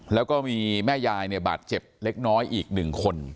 แล้วก็มีแม่ยายเนี่ยบาดเจ็บเล็กน้อยอีก๑คน